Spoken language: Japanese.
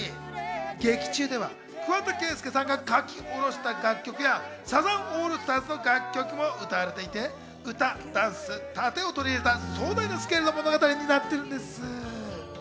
劇中では桑田佳祐さんが書き下ろした楽曲やサザンオールスターズの楽曲も歌われていて、歌、ダンス、殺陣を取り入れた壮大なスケールの物語になってるんです。